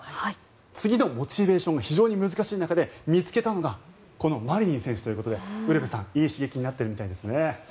次のモチベーションが非常に難しい中で見つけたのがこのマリニン選手ということでウルヴェさん、いい刺激になっているみたいですね。